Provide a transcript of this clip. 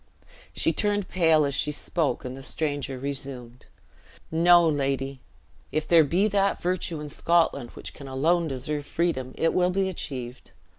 She turned pale as she spoke, and the stranger resumed. "No, lady, if there be that virtue in Scotland which can alone deserve freedom, it will be achieved.